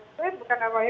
saya bukan amai